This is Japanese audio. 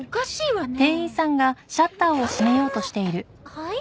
はい？